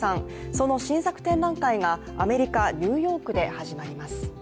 その新作展覧会がアメリカ・ニューヨークで始まります。